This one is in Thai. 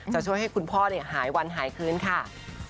จะช่วยให้คุณพ่อหายวันหายคืนค่ะ